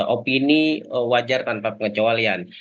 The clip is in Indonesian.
opini wajar tanpa pengecualian